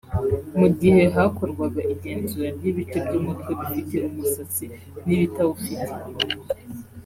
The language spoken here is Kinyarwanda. Mu gihe hakorwaga igenzura ry’ibice by’umutwe bifite umusatsi n’ibitawufite